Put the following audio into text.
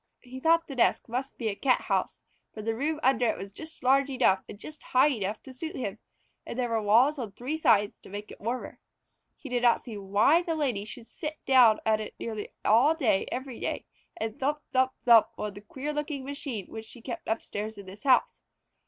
He thought the desk must be a Cathouse, for the room under it was just large enough and just high enough to suit him, and there were walls on three sides to make it warmer. He did not see why the Lady should sit down at it nearly every day and thump thump thump on the queer looking little machine which she kept upstairs in this house.